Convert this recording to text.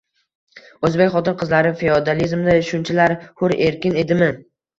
O’zbek xotin-qizlari feodalizmda shunchalar... hur-erkin edimi?»